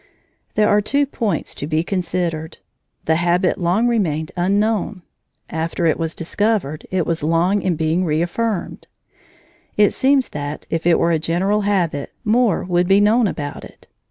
There are two points to be considered: the habit long remained unknown; after it was discovered, it was long in being reaffirmed. It seems that, if it were a general habit, more would be known about it.